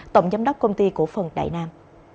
tổng giám đốc công ty của phần đại nam